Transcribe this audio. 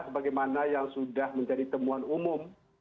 sebagai mana yang sudah menjadi temuan umum